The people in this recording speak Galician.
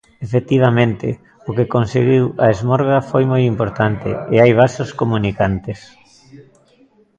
Efectivamente, o que conseguiu A Esmorga foi moi importante, e hai vasos comunicantes.